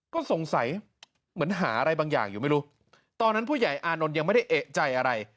ก็สงสัยเหมือนหาอะไรบางอย่างอยู่ไม่รู้ตอนนั้นผู้ใหญ่อานนท์ยังไม่ได้เอกใจอะไร